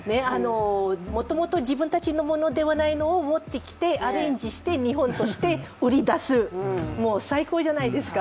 もともと自分たちのものではないものを持ってきて、アレンジして日本として売り出す、もう最高じゃないですか。